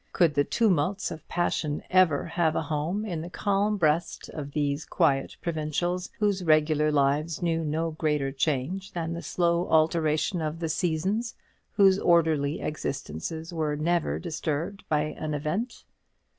Could the tumults of passion ever have a home in the calm breast of these quiet provincials, whose regular lives knew no greater change than the slow alternation of the seasons, whose orderly existences were never disturbed by an event?